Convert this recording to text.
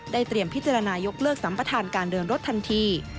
เตรียมพิจารณายกเลิกสัมประธานการเดินรถทันที